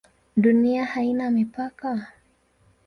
Dunia haina mipaka?